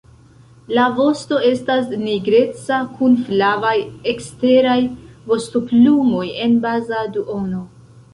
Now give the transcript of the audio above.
La vosto estas nigreca kun flavaj eksteraj vostoplumoj en baza duono.